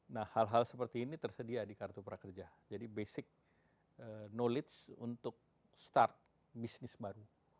nah hal hal seperti ini tersedia di kartu prakerja jadi basic knowledge untuk start bisnis baru